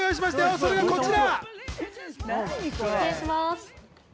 それがこちら。